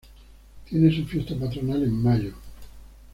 Tiene su fiesta patronal en mayo.